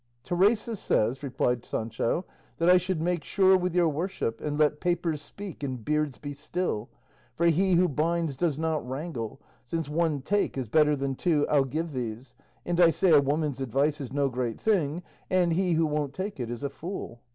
"Teresa says," replied Sancho, "that I should make sure with your worship, and 'let papers speak and beards be still,' for 'he who binds does not wrangle,' since one 'take' is better than two 'I'll give thee's;' and I say a woman's advice is no great thing, and he who won't take it is a fool."